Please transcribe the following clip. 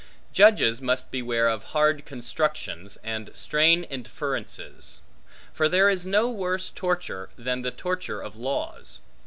Judges must beware of hard constructions, and strained inferences; for there is no worse torture, than the torture of laws.